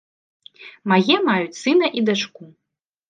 Мае маюць сына і дачку.